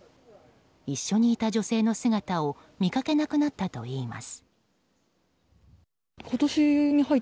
一緒にいた女性の姿を見かけなくなったといいます。